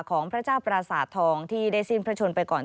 ของพระเจ้าปราสาททองที่ได้สิ้นพระชนไปก่อน